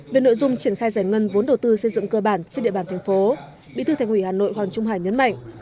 về nội dung triển khai giải ngân vốn đầu tư xây dựng cơ bản trên địa bàn thành phố bí thư thành ủy hà nội hoàng trung hải nhấn mạnh